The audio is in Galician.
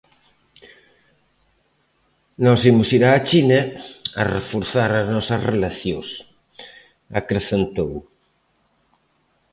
Nós imos ir a China a reforzar as nosas relacións, acrecentou.